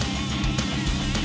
tunggu lu semua